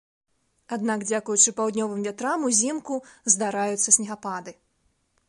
Аднак дзякуючы паўднёвым вятрам узімку здараюцца снегапады.